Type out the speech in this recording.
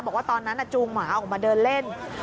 บอกว่าตอนนั้นจูงหมาออกมาเดินเล่น